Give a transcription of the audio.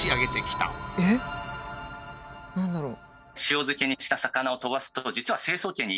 何だろう？